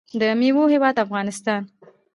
د میوو هیواد افغانستان.